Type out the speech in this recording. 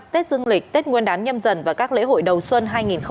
tết dương lịch tết nguyên đán nhâm dần và các lễ hội đầu xuân hai nghìn hai mươi bốn